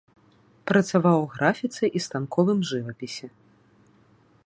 Працаваў у графіцы і станковым жывапісе.